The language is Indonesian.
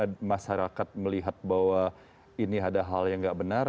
lalu kemudian masyarakat melihat bahwa ini ada hal yang nggak benar